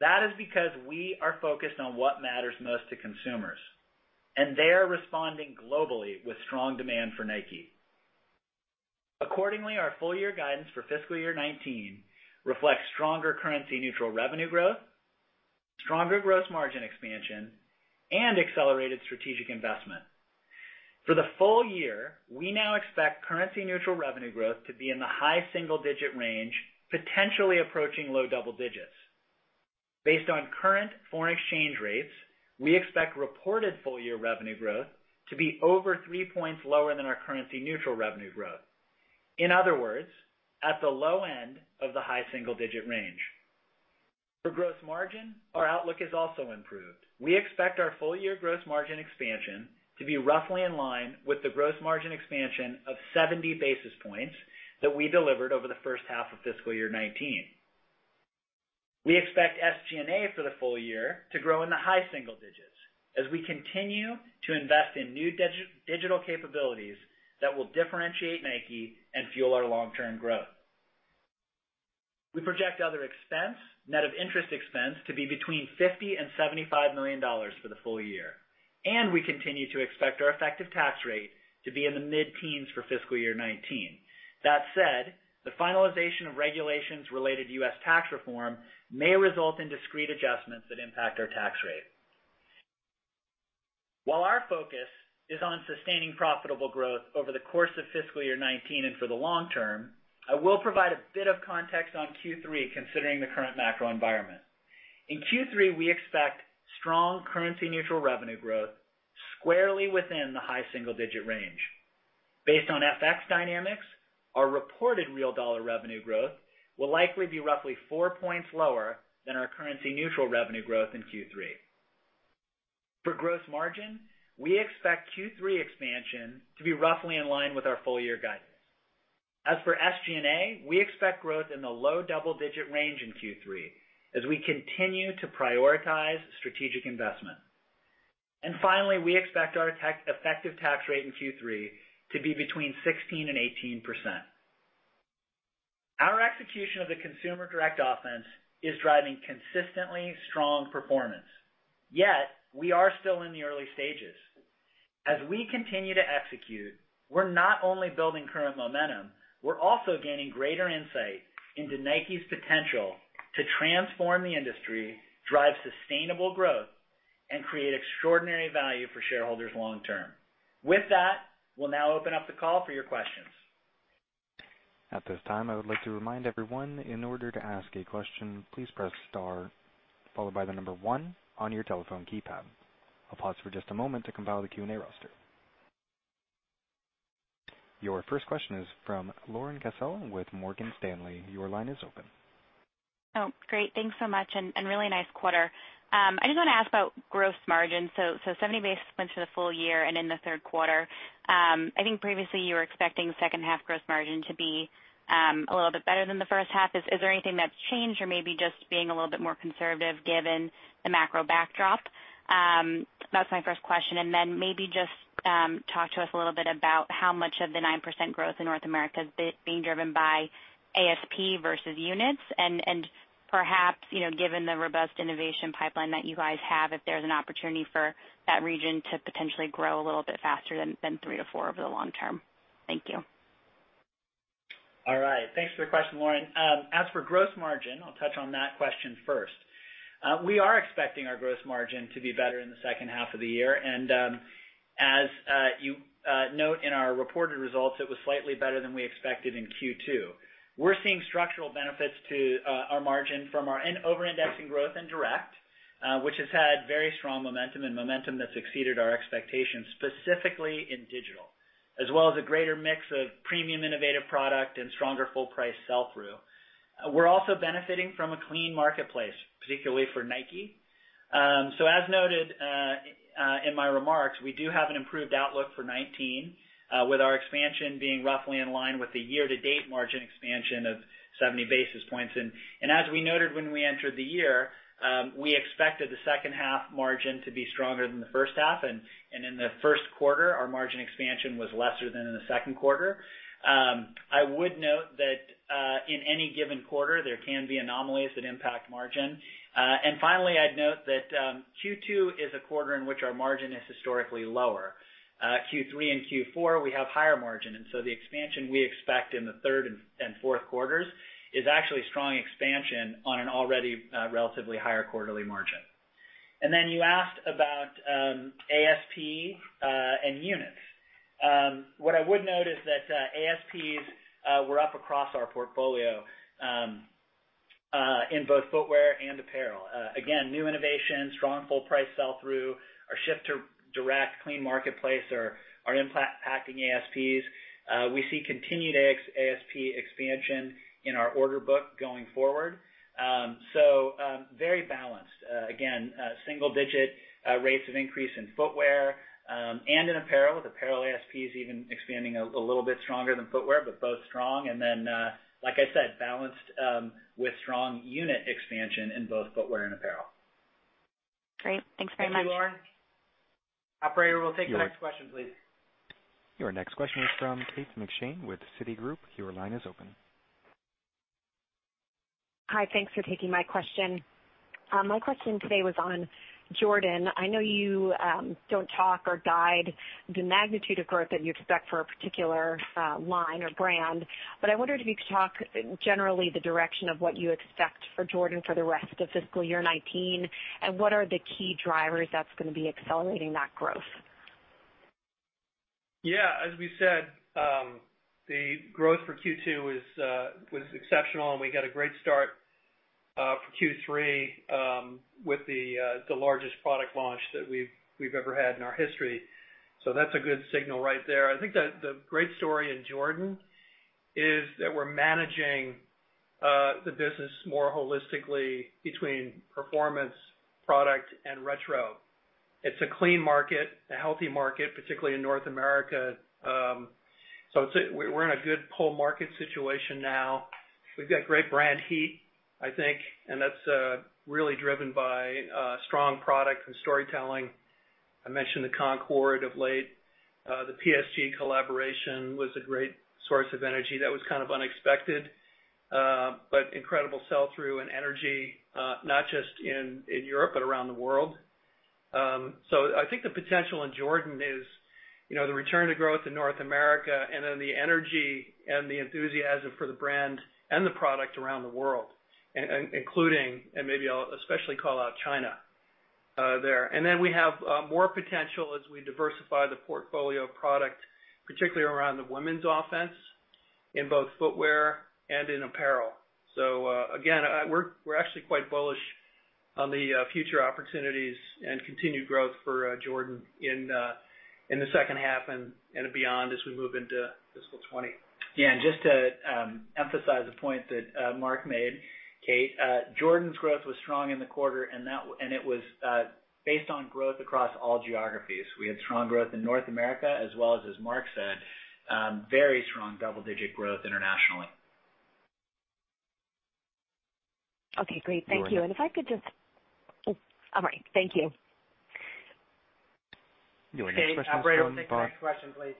That is because we are focused on what matters most to consumers, and they are responding globally with strong demand for Nike. Accordingly, our full year guidance for fiscal year 2019 reflects stronger currency neutral revenue growth, stronger gross margin expansion, and accelerated strategic investment. For the full year, we now expect currency neutral revenue growth to be in the high single digit range, potentially approaching low double digits. Based on current foreign exchange rates, we expect reported full year revenue growth to be over three points lower than our currency neutral revenue growth. In other words, at the low end of the high single digit range. For gross margin, our outlook has also improved. We expect our full year gross margin expansion to be roughly in line with the gross margin expansion of 70 basis points that we delivered over the first half of fiscal year 2019. We expect SG&A for the full year to grow in the high single digits as we continue to invest in new digital capabilities that will differentiate Nike and fuel our long-term growth. We project other expense, net of interest expense, to be between $50 million and $75 million for the full year. We continue to expect our effective tax rate to be in the mid-teens for fiscal year 2019. That said, the finalization of regulations related to U.S. tax reform may result in discrete adjustments that impact our tax rate. While our focus is on sustaining profitable growth over the course of fiscal year 2019 and for the long term, I will provide a bit of context on Q3 considering the current macro environment. In Q3, we expect strong currency-neutral revenue growth squarely within the high single-digit range. Based on FX dynamics, our reported real dollar revenue growth will likely be roughly four points lower than our currency-neutral revenue growth in Q3. For gross margin, we expect Q3 expansion to be roughly in line with our full-year guidance. As for SG&A, we expect growth in the low double-digit range in Q3 as we continue to prioritize strategic investment. Finally, we expect our effective tax rate in Q3 to be between 16% and 18%. Our execution of the Consumer Direct Offense is driving consistently strong performance. Yet, we are still in the early stages. As we continue to execute, we're not only building current momentum, we're also gaining greater insight into Nike's potential to transform the industry, drive sustainable growth, and create extraordinary value for shareholders long term. With that, we'll now open up the call for your questions. At this time, I would like to remind everyone, in order to ask a question, please press star followed by the number one on your telephone keypad. I'll pause for just a moment to compile the Q&A roster. Your first question is from Lauren Cassel with Morgan Stanley. Your line is open. Great. Thanks so much, really nice quarter. I just want to ask about gross margin. 70 basis points for the full-year and in the third quarter. I think previously you were expecting second half gross margin to be a little bit better than the first half. Is there anything that's changed or maybe just being a little bit more conservative given the macro backdrop? That's my first question. Then maybe just talk to us a little bit about how much of the 9% growth in North America is being driven by ASP versus units and perhaps, given the robust innovation pipeline that you guys have, if there's an opportunity for that region to potentially grow a little bit faster than 3%-4% over the long term. Thank you. All right. Thanks for the question, Lauren. As for gross margin, I'll touch on that question first. We are expecting our gross margin to be better in the second half of the year. As you note in our reported results, it was slightly better than we expected in Q2. We're seeing structural benefits to our margin from our over-indexing growth in Direct, which has had very strong momentum and momentum that's exceeded our expectations, specifically in digital, as well as a greater mix of premium innovative product and stronger full price sell-through. We're also benefiting from a clean marketplace, particularly for Nike. As noted in my remarks, we do have an improved outlook for 2019, with our expansion being roughly in line with the year-to-date margin expansion of 70 basis points. As we noted when we entered the year, we expected the second half margin to be stronger than the first half. In the first quarter, our margin expansion was lesser than in the second quarter. I would note that in any given quarter, there can be anomalies that impact margin. Finally, I'd note that Q2 is a quarter in which our margin is historically lower. Q3 and Q4, we have higher margin. The expansion we expect in the third and fourth quarters is actually strong expansion on an already relatively higher quarterly margin. You asked about ASP and units. What I would note is that ASPs were up across our portfolio in both footwear and apparel. Again, new innovation, strong full price sell-through, our shift to Direct, clean marketplace are impacting ASPs. We see continued ASP expansion in our order book going forward. Very balanced. Again, single-digit rates of increase in footwear and in apparel. The apparel ASP is even expanding a little bit stronger than footwear, but both strong. Like I said, balanced with strong unit expansion in both footwear and apparel. Great. Thanks very much. Thank you, Lauren. Operator, we'll take the next question, please. Your next question is from Kate McShane with Citigroup. Your line is open. Hi. Thanks for taking my question. My question today was on Jordan. I know you don't talk or guide the magnitude of growth that you expect for a particular line or brand. I wondered if you could talk generally the direction of what you expect for Jordan for the rest of fiscal year 2019, what are the key drivers that's going to be accelerating that growth. Yeah. As we said, the growth for Q2 was exceptional, we got a great start for Q3 with the largest product launch that we've ever had in our history. That's a good signal right there. I think the great story in Jordan is that we're managing the business more holistically between performance, product, and retro. It's a clean market, a healthy market, particularly in North America. We're in a good pull market situation now. We've got great brand heat, I think, that's really driven by strong product and storytelling. I mentioned the Concord of late. The PSG collaboration was a great source of energy that was kind of unexpected. Incredible sell-through and energy, not just in Europe, but around the world. I think the potential in Jordan is the return to growth in North America, the energy and the enthusiasm for the brand and the product around the world, including, and maybe I'll especially call out China there. We have more potential as we diversify the portfolio product, particularly around the women's offense, in both footwear and in apparel. Again, we're actually quite bullish on the future opportunities and continued growth for Jordan in the second half and beyond as we move into fiscal 2020. Just to emphasize a point that Mark made, Kate, Jordan's growth was strong in the quarter, and it was based on growth across all geographies. We had strong growth in North America as well as Mark said, very strong double-digit growth internationally. Okay, great. Thank you. All right. Thank you. Operator, we'll take the next question, please.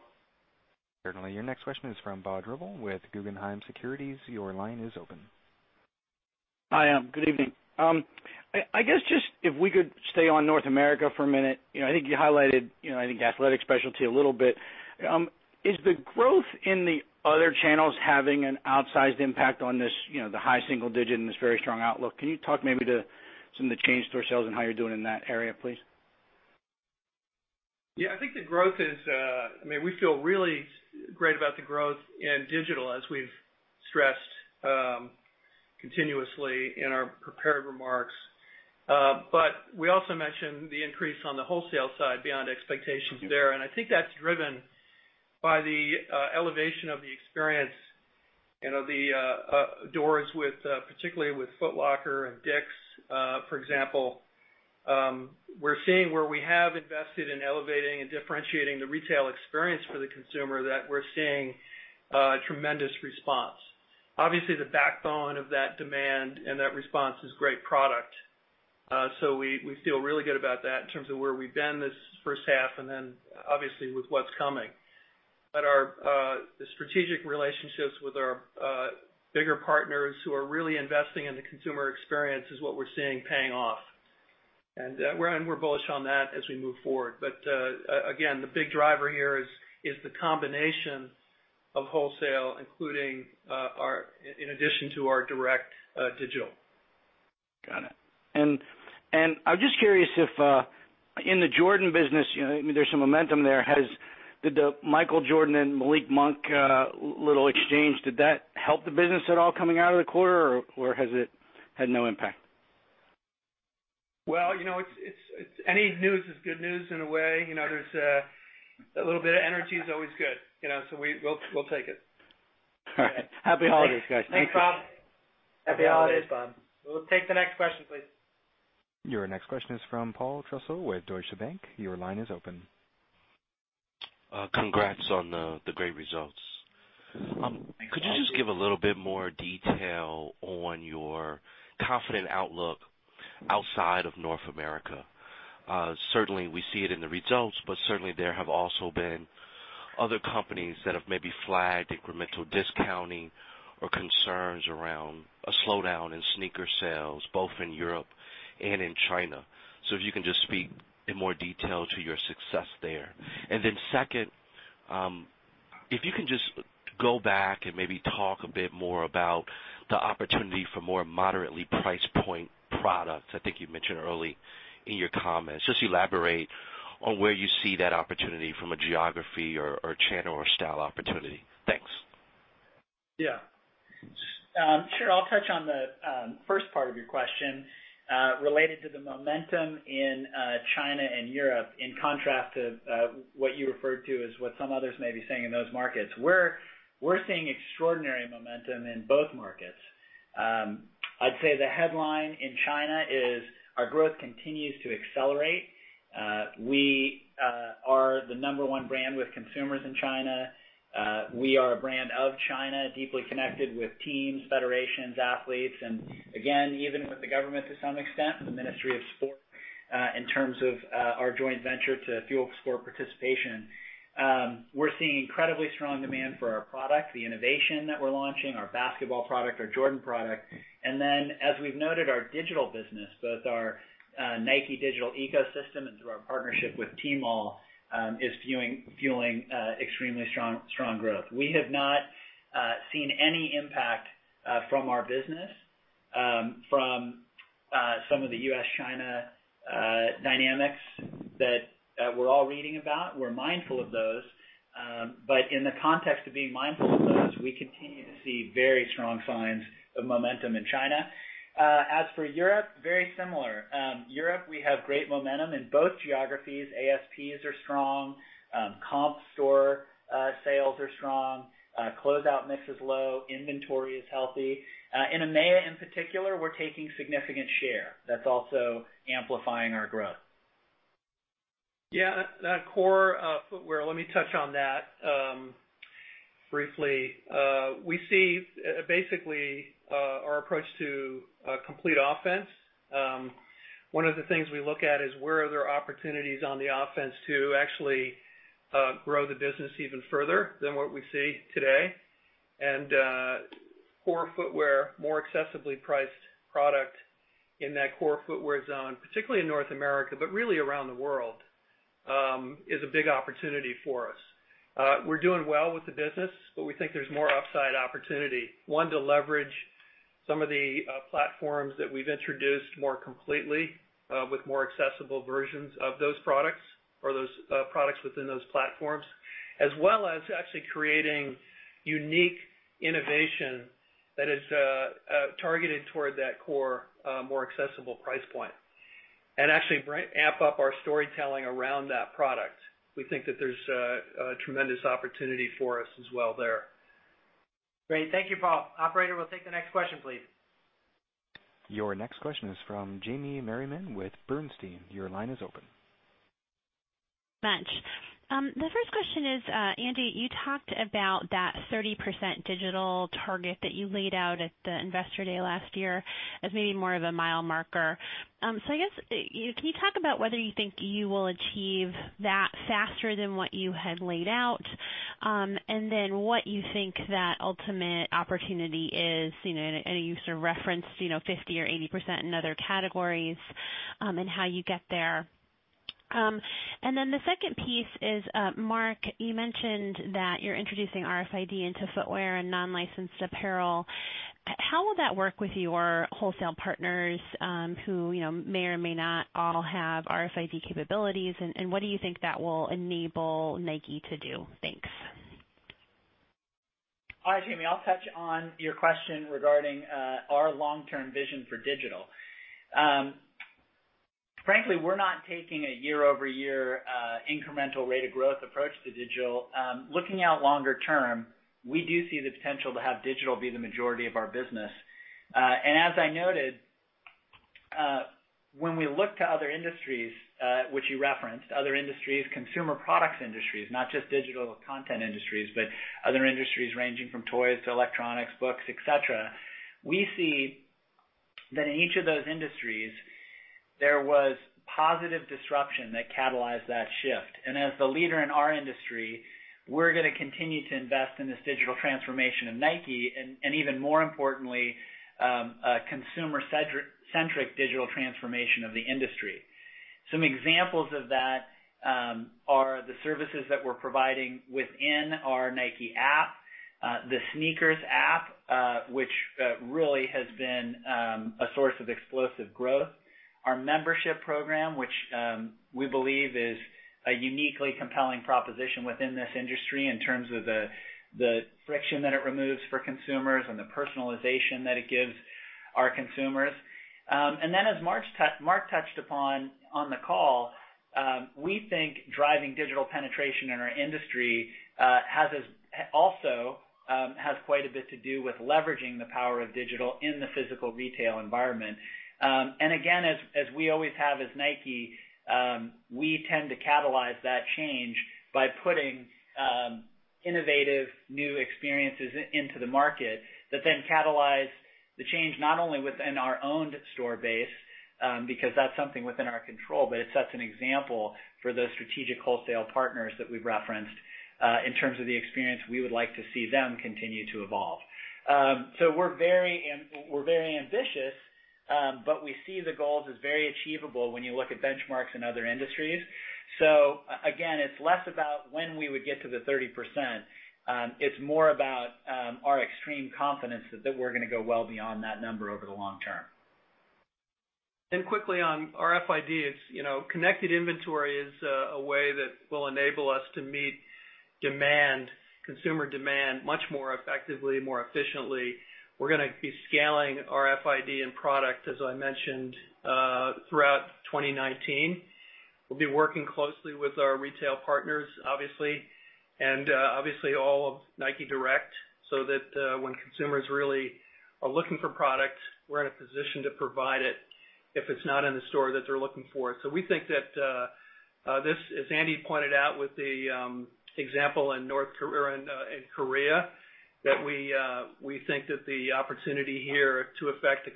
Certainly. Your next question is from Robert Drbul with Guggenheim Securities. Your line is open. Hi. Good evening. I guess just if we could stay on North America for a minute. I think you highlighted, I think athletic specialty a little bit. Is the growth in the other channels having an outsized impact on the high single-digit and this very strong outlook? Can you talk maybe to some of the chain store sales and how you're doing in that area, please? Yeah, I think the growth is We feel really great about the growth in Digital as we've stressed continuously in our prepared remarks. We also mentioned the increase on the Wholesale side beyond expectations there. I think that's driven by the elevation of the experience, the doors particularly with Foot Locker and DICK'S, for example. We're seeing where we have invested in elevating and differentiating the retail experience for the consumer, that we're seeing a tremendous response. Obviously, the backbone of that demand and that response is great product. We feel really good about that in terms of where we've been this first half and then obviously with what's coming. The strategic relationships with our bigger partners who are really investing in the consumer experience is what we're seeing paying off. We're bullish on that as we move forward. Again, the big driver here is the combination of Wholesale, including in addition to our direct Digital. Got it. I'm just curious if in the Jordan business, there's some momentum there. Did the Michael Jordan and Malik Monk little exchange, did that help the business at all coming out of the quarter, or has it had no impact? Well, any news is good news in a way. There's a little bit of energy is always good. We'll take it. All right. Happy holidays, guys. Thank you. Thanks, Rob. Happy holidays. Happy holidays, Bob. We'll take the next question, please. Your next question is from Paul Trussell with Deutsche Bank. Your line is open. Congrats on the great results. Thanks, Paul. Could you just give a little bit more detail on your confident outlook outside of North America? Certainly, we see it in the results, but certainly there have also been other companies that have maybe flagged incremental discounting or concerns around a slowdown in sneaker sales, both in Europe and in China. If you can just speak in more detail to your success there. Second, if you can just go back and maybe talk a bit more about the opportunity for more moderately price point products. I think you mentioned early in your comments. Just elaborate on where you see that opportunity from a geography or channel or style opportunity. Thanks. Yeah. Sure. I'll touch on the first part of your question related to the momentum in China and Europe in contrast to what you referred to as what some others may be saying in those markets. We're seeing extraordinary momentum in both markets. I'd say the headline in China is our growth continues to accelerate. We are the number one brand with consumers in China. We are a brand of China, deeply connected with teams, federations, athletes, and again, even with the government to some extent, the Ministry of Sport, in terms of our joint venture to fuel sport participation. We're seeing incredibly strong demand for our product, the innovation that we're launching, our basketball product, our Jordan product. As we've noted, our digital business, both our Nike Digital ecosystem and through our partnership with Tmall, is fueling extremely strong growth. We have not seen any impact from our business from some of the U.S.-China dynamics that we're all reading about. We're mindful of those. In the context of being mindful of those, we continue to see very strong signs of momentum in China. As for Europe, very similar. Europe, we have great momentum in both geographies. ASPs are strong. Comp store sales are strong. Closeout mix is low. Inventory is healthy. In EMEA in particular, we're taking significant share. That's also amplifying our growth. Yeah. That core footwear, let me touch on that briefly. We see basically our approach to a complete offense. One of the things we look at is where are there opportunities on the offense to actually grow the business even further than what we see today. Core footwear, more accessibly priced product in that core footwear zone, particularly in North America, but really around the world, is a big opportunity for us. We're doing well with the business, but we think there's more upside opportunity. One, to leverage some of the platforms that we've introduced more completely with more accessible versions of those products or those products within those platforms. As well as actually creating unique innovation that is targeted toward that core, more accessible price point. Actually amp up our storytelling around that product. We think that there's a tremendous opportunity for us as well there. Great. Thank you, Paul. Operator, we'll take the next question, please. Your next question is from Jamie Merriman with Bernstein. Your line is open. Thanks. The first question is, Andy, you talked about that 30% digital target that you laid out at the Investor Day last year as maybe more of a mile marker. I guess, can you talk about whether you think you will achieve that faster than what you had laid out? Then what you think that ultimate opportunity is, and you sort of referenced 50% or 80% in other categories, and how you get there. Then the second piece is, Mark, you mentioned that you're introducing RFID into footwear and non-licensed apparel. How will that work with your wholesale partners who, may or may not all have RFID capabilities, and what do you think that will enable Nike to do? Thanks. Jamie, I'll touch on your question regarding our long-term vision for digital. Frankly, we're not taking a year-over-year incremental rate of growth approach to digital. Looking out longer term, we do see the potential to have digital be the majority of our business. As I noted, when we look to other industries, which you referenced, other industries, consumer products industries, not just digital content industries, but other industries ranging from toys to electronics, books, et cetera, we see that in each of those industries, there was positive disruption that catalyzed that shift. As the leader in our industry, we're going to continue to invest in this digital transformation of Nike and, even more importantly, consumer-centric digital transformation of the industry. Some examples of that are the services that we're providing within our Nike app, the SNKRS app, which really has been a source of explosive growth. Our membership program, which we believe is a uniquely compelling proposition within this industry in terms of the friction that it removes for consumers and the personalization that it gives our consumers. As Mark touched upon on the call, we think driving digital penetration in our industry also has quite a bit to do with leveraging the power of digital in the physical retail environment. Again, as we always have as Nike, we tend to catalyze that change by putting innovative new experiences into the market that then catalyze the change, not only within our owned store base, because that's something within our control, but it sets an example for those strategic wholesale partners that we've referenced, in terms of the experience we would like to see them continue to evolve. We're very ambitious, but we see the goals as very achievable when you look at benchmarks in other industries. Again, it's less about when we would get to the 30%, it's more about our extreme confidence that we're going to go well beyond that number over the long term. Quickly on RFID, connected inventory is a way that will enable us to meet consumer demand much more effectively, more efficiently. We're going to be scaling RFID and product, as I mentioned, throughout 2019. We'll be working closely with our retail partners, obviously. Obviously all of Nike Direct, so that when consumers really are looking for product, we're in a position to provide it if it's not in the store that they're looking for. We think that this, as Andy pointed out with the example in Korea, that we think that the opportunity here to affect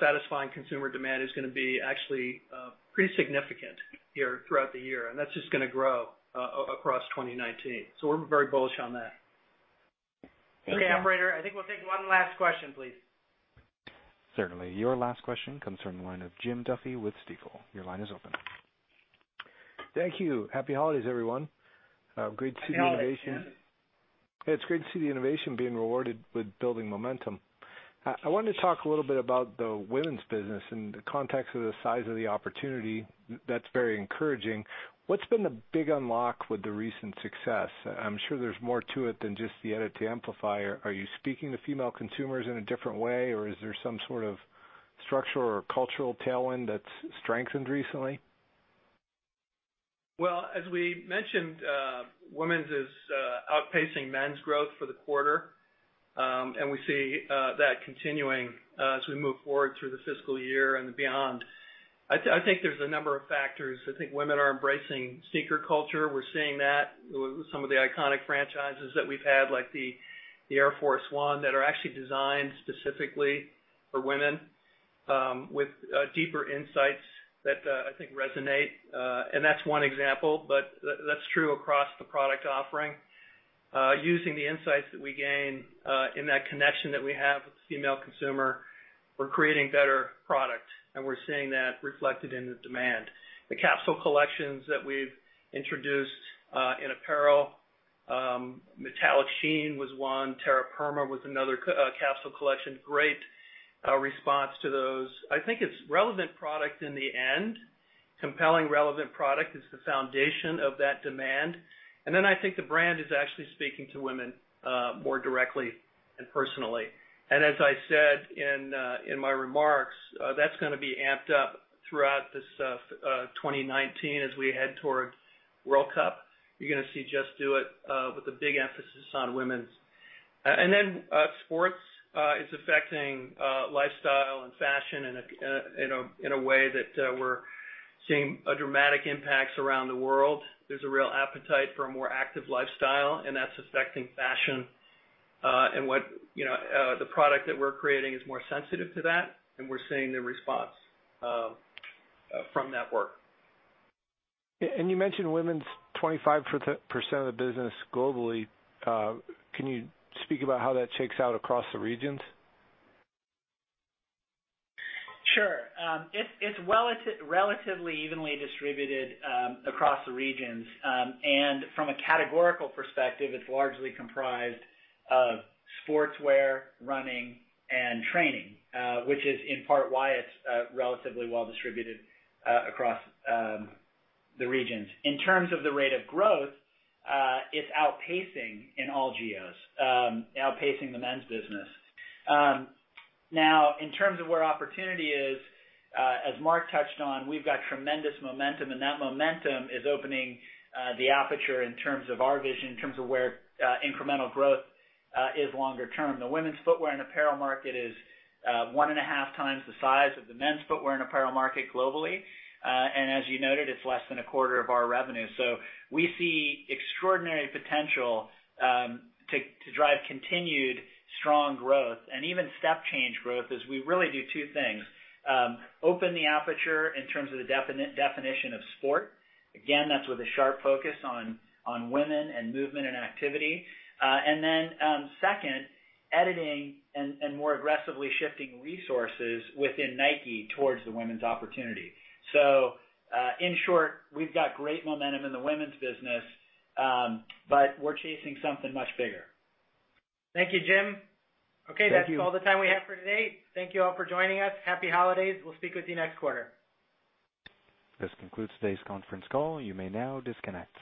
satisfying consumer demand is going to be actually pretty significant here throughout the year. That's just going to grow across 2019. We're very bullish on that. Okay, operator, I think we'll take one last question, please. Certainly. Your last question comes from the line of Jim Duffy with Stifel. Your line is open. Thank you. Happy holidays, everyone. Great to see. Happy holidays, Jim. It's great to see the innovation being rewarded with building momentum. I wanted to talk a little bit about the women's business in the context of the size of the opportunity that's very encouraging. What's been the big unlock with the recent success? I'm sure there's more to it than just the edit to amplify. Are you speaking to female consumers in a different way, or is there some sort of structural or cultural tailwind that's strengthened recently? Well, as we mentioned, women's is outpacing men's growth for the quarter. We see that continuing as we move forward through the fiscal year and beyond. I think there's a number of factors. I think women are embracing sneaker culture. We're seeing that with some of the iconic franchises that we've had, like the Air Force 1, that are actually designed specifically for women, with deeper insights that I think resonate. That's one example, but that's true across the product offering. Using the insights that we gain in that connection that we have with the female consumer, we're creating better product, and we're seeing that reflected in the demand. The capsule collections that we've introduced in apparel, Metallic Sheen was one, Terra Firma was another capsule collection. Great response to those. I think it's relevant product in the end. Compelling, relevant product is the foundation of that demand. I think the brand is actually speaking to women more directly and personally. As I said in my remarks, that's going to be amped up throughout this 2019 as we head towards World Cup. You're going to see "Just Do It" with a big emphasis on women's. Sports is affecting lifestyle and fashion in a way that we're seeing dramatic impacts around the world. There's a real appetite for a more active lifestyle, and that's affecting fashion. The product that we're creating is more sensitive to that, and we're seeing the response from that work. You mentioned women's, 25% of the business globally. Can you speak about how that shakes out across the regions? Sure. It's relatively evenly distributed across the regions. From a categorical perspective, it's largely comprised of sportswear, running, and training, which is in part why it's relatively well-distributed across the regions. In terms of the rate of growth, it's outpacing in all geos, outpacing the men's business. In terms of where opportunity is, as Mark touched on, we've got tremendous momentum, and that momentum is opening the aperture in terms of our vision, in terms of where incremental growth is longer term. The women's footwear and apparel market is one and a half times the size of the men's footwear and apparel market globally. As you noted, it's less than a quarter of our revenue. We see extraordinary potential to drive continued strong growth and even step change growth as we really do two things. Open the aperture in terms of the definition of sport. Again, that's with a sharp focus on women and movement and activity. Second, editing and more aggressively shifting resources within Nike towards the women's opportunity. In short, we've got great momentum in the women's business, but we're chasing something much bigger. Thank you, Jim. Okay. Thank you. That's all the time we have for today. Thank you all for joining us. Happy holidays. We'll speak with you next quarter. This concludes today's conference call. You may now disconnect.